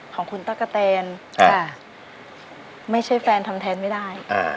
ขอของคุณต้นกาเตนไม่ใช่แฟนทำท่านไม่ได้